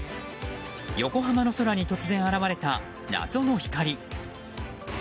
横浜の空に突然現れた謎の光。